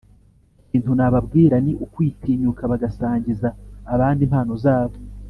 Ikintu nababwira ni ukwitinyuka bagasangiza abandi impano zabo,